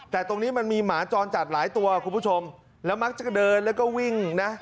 แต่ตรงนี้มันมีหมาจรจัดหลายตัวคุณผู้ชมแล้วมักจะเดินแล้วก็วิ่งนะ